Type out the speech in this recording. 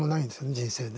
人生で。